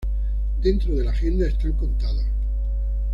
Dentro de la agenda están contados.